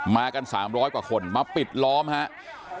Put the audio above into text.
มากัน๓๐๐กว่าคนมาปิดล้อมครับ